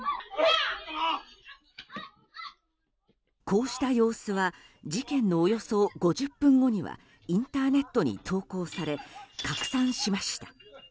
こうした様子は事件のおよそ５０分後にはインターネットに投稿され拡散しました。